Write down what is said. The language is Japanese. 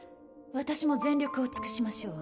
私も全力を尽くしましょう。